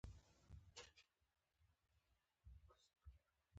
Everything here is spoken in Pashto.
یادو هېوادونو یوازې یو څو اقتصادي بنسټونه جوړ کړل.